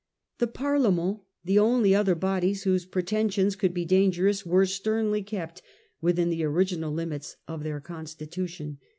The Parle ments , the only other bodies whose pretensions could be dangerous, were sternly kept within the original limits of their constitution.